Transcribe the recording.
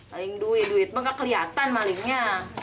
maling duit maka kelihatan malingnya